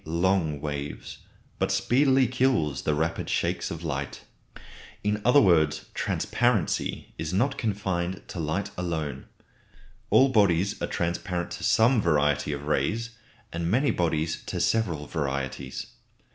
_ long waves), but speedily kills the rapid shakes of light. In other words, transparency is not confined to light alone. All bodies are transparent to some variety of rays, and many bodies to several varieties.